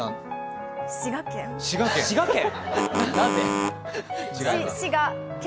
滋賀県？